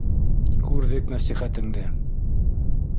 — Күрҙек нәсихәтеңде.